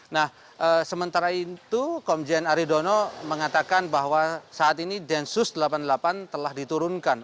nah sementara itu komjen aridono mengatakan bahwa saat ini densus delapan puluh delapan telah diturunkan